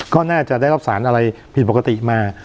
ก็น่าจะได้รับสารอะไรผิดปกติมา